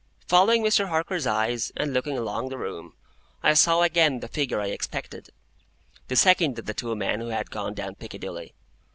Following Mr. Harker's eyes, and looking along the room, I saw again the figure I expected,—the second of the two men who had gone down Piccadilly.